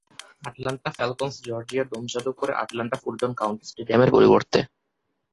Atlanta Falcons Georgia dome চালু করে, Atlanta Fulton county স্টেডিয়ামের পরিবর্তে।